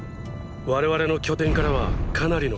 我々の拠点からはかなりの距離がある。